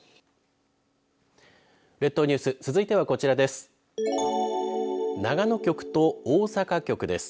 列島ニュース続いてはこちらです。